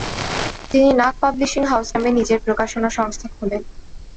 তিনি Nag publishing house নামে নিজের প্রকাশনা সংস্থা খোলেন।